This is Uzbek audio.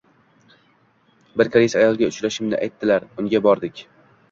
Bir koreys ayolga uchrashimni aytdilar, unga bordik.